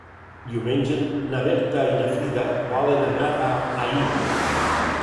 Diumenge na Berta i na Frida volen anar a Aín.